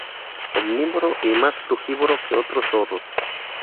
Omnívoro y más frugívoro que otros zorros.